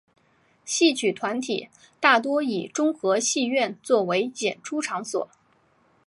戏曲团体大多以中和戏院作为演出场所。